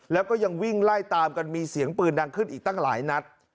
แล้วก็ยังวิ่งไล่ตามกันมีเสียงปืนดังขึ้นอีกตั้งหลายนัด